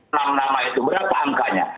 enam nama itu berapa angkanya